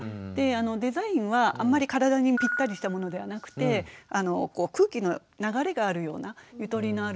デザインはあんまり体にぴったりしたものではなくて空気の流れがあるようなゆとりのあるものがいいと思います。